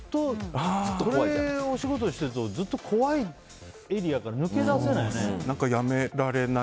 これをお仕事にしてるとずっと怖いエリアから抜け出せないよね。